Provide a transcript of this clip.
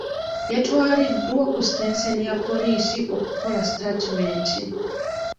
Yatwaliddwa ku sitenseni ya poliisi okukola sitatimenti.